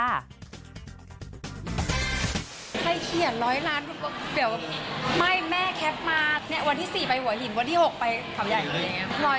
ใครเขียน๑๐๐ล้านแม่แคปมาวันที่๔ไปหัวหินวันที่๖ไปขาวใหญ่